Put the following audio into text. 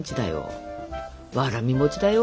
わらび餅だよ。